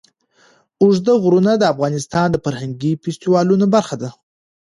اوږده غرونه د افغانستان د فرهنګي فستیوالونو برخه ده.